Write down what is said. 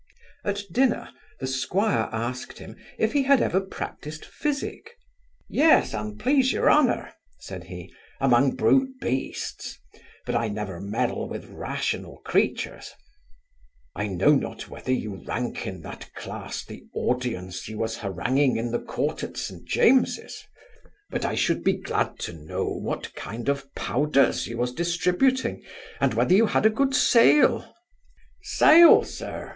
At dinner, the squire asked him, if he had ever practised physic? 'Yes, and please your honour (said he) among brute beasts; but I never meddle with rational creatures.' 'I know not whether you rank in that class the audience you was haranguing in the court at St. James's, but I should be glad to know what kind of powders you was distributing; and whether you had a good sale' 'Sale, sir!